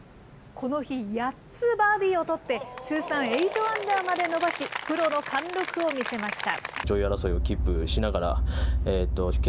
この日、８つバーディーを取って、通算エイトアンダーまで伸ばし、プロの貫禄を見せました。